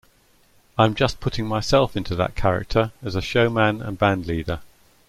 I'm just putting myself into that character as a showman and bandleader.